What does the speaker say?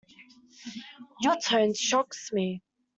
Your tone shocks me.